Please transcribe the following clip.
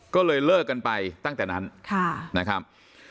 ก็เลยเลิกกันไปตั้งแต่นั้นนะครับ